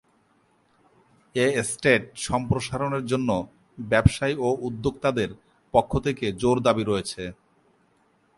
এ estate সম্প্রসারণের জন্য ব্যবসায়ী ও উদ্যোক্তাদের পক্ষ থেকে জোর দাবী রয়েছে।